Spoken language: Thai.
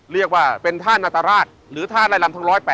เรียกว่าเป็นท่านาตราชหรือท่าไล่ลำทั้ง๑๐๘